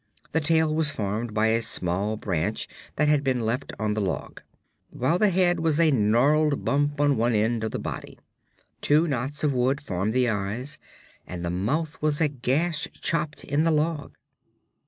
The tail was formed by a small branch that had been left on the log, while the head was a gnarled bump on one end of the body. Two knots of wood formed the eyes, and the mouth was a gash chopped in the log.